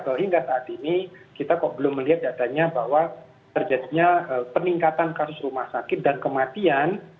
atau hingga saat ini kita kok belum melihat datanya bahwa terjadinya peningkatan kasus rumah sakit dan kematian